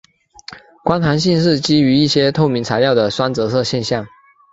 光弹性是基于一些透明材料的双折射现象。